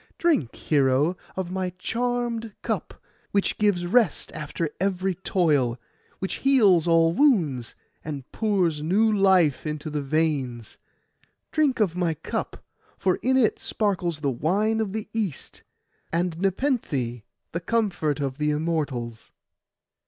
Drink, hero, of my charmed cup, which gives rest after every toil, which heals all wounds, and pours new life into the veins. Drink of my cup, for in it sparkles the wine of the East, and Nepenthe, the comfort of the Immortals.